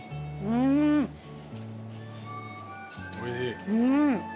うん。